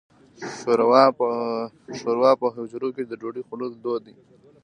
شوروا په حجرو کې د ډوډۍ خوړلو دود دی.